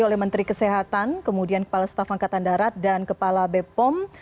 oleh menteri kesehatan kemudian kepala staf angkatan darat dan kepala bepom